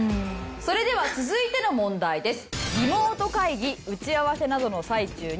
それでは続いての問題です。